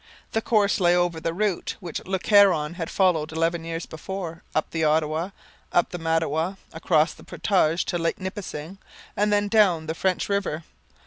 The course lay over the route which Le Caron had followed eleven years before, up the Ottawa, up the Mattawa, across the portage to Lake Nipissing, and then down the French River.